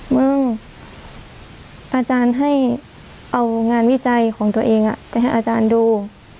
อาจารย์ให้เอางานวิจัยของตัวเองไปให้อาจารย์ดู